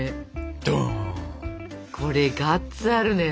これガッツあるね。